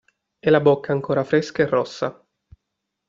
E la bocca ancora fresca e rossa.